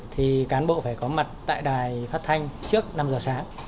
thì cán bộ phải có mặt tại đài phát thanh trước năm giờ sáng